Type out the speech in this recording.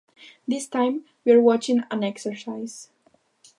This time, we're watching an exercise.